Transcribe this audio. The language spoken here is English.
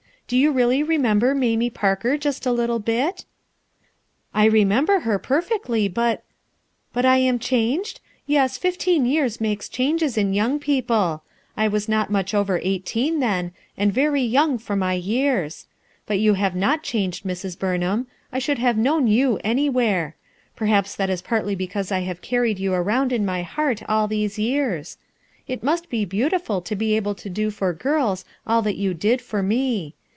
Do you really remember Mamie Parker just a little bit?" "I remember her, perfectly, but—" "But I am changed? Ycs ; fifteen years make changes in young people, I was not much over eighteen then, and very young for ray years. LOOKING BACKWARD 191 But you have not changed, Mrs, Burnham; I should have known you anywhere. Perhaps that is partly because I have carried you around in my heart all these years. It must be beau tiful to be able to do for girls all that you did for me.